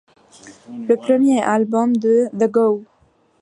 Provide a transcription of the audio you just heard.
Le premier album de The Go!